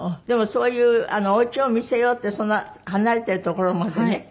でもそういうお家を見せようってそんな離れてる所までね。